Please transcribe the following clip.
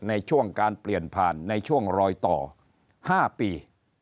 ในช่วงการเปลี่ยนผ่านในช่วงรอยต่อ๕ปี